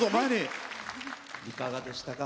いかがですか？